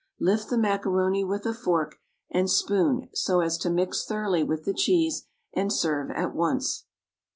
Lift the macaroni with a fork and spoon so as to mix thoroughly with the cheese, and serve at once.